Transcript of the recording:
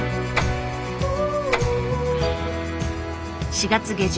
４月下旬。